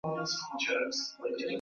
Nipeleke kwake mariah ili tuongee zaidi